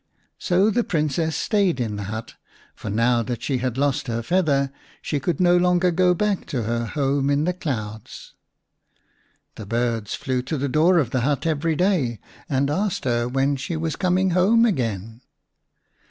So the Princess stayed in the hut, for now that she had lost her feather she could no longer go back to her home in the clouds. The birds flew to the door of the hut every day and asked her when she was coming home again.